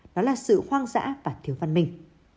đó là sự khoang dã và thiếu văn minh